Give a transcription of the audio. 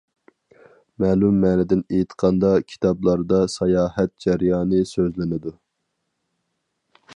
مەلۇم مەنىدىن ئېيتقاندا، كىتابلاردا ساياھەت جەريانى سۆزلىنىدۇ.